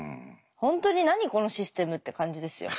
ほんとに何このシステムって感じですよ。